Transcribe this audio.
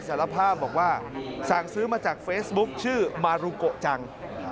สารภาพบอกว่าสั่งซื้อมาจากเฟซบุ๊คชื่อมารุโกะจัง